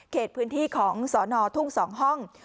เศรษฐ์พื้นที่ของสอนอทุ่มสองห้อง